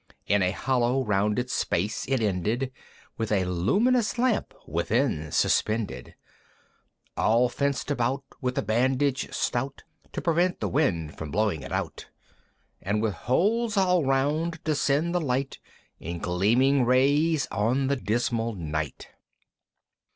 In a hollow rounded space it ended With a luminous lamp within suspended, All fenced about With a bandage stout To prevent the wind from blowing it out; And with holes all round to send the light, In gleaming rays on the dismal night.